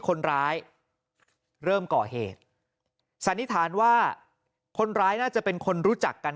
คนร้ายเริ่มก่อเหตุสันนิษฐานว่าคนร้ายน่าจะเป็นคนรู้จักกัน